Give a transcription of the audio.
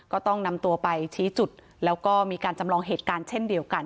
ก็ต้องนำตัวไปชี้จุดแล้วก็มีการจำลองเหตุการณ์เช่นเดียวกัน